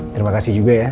terima kasih nasi rena